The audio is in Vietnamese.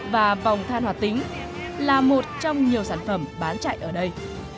và vòng than hoạt tính là một trong nhiều sản phẩm bán chạy ở đây